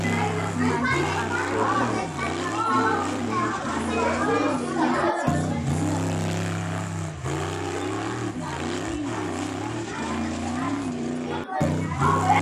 მათი კავშირი ერთობ უიღბლო აღმოჩნდა, რასაც ისიც ემატებოდა, რომ ფერდინანდი მას „ამაზრზენს“ უწოდებდა.